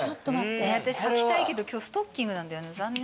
私履きたいけど今日ストッキングなんだよな残念。